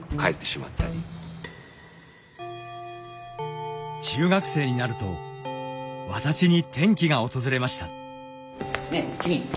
で母親来た時に中学生になると私に転機が訪れました。